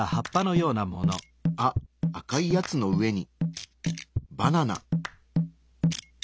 あ赤いやつの上にバナナ！